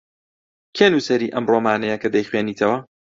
کێ نووسەری ئەو ڕۆمانەیە کە دەیخوێنیتەوە؟